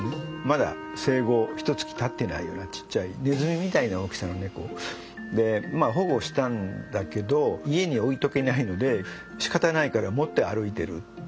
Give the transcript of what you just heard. まだ生後ひとつきたってないくらいちっちゃいネズミみたいな大きさの猫。でまあ保護したんだけど家に置いとけないのでしかたないから持って歩いているっていう。